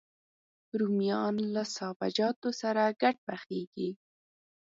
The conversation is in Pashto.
رومیان له سابهجاتو سره ګډ پخېږي